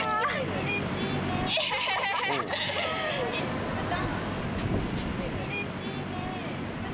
うれしいね文太。